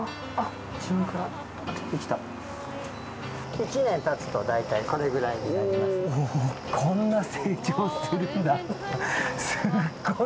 １年経つと大体このくらいになります。